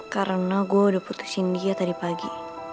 karena gue udah putusin dia tadi pagi